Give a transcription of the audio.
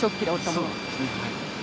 そうですね。